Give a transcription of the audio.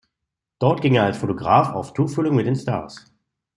Dort ging er als Fotograf auf Tuchfühlung mit den Stars.